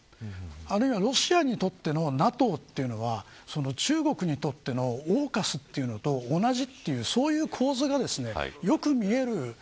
あるいはロシアにとってのＮＡＴＯは中国にとってのＡＵＫＵＳと同じという構図がよく見える。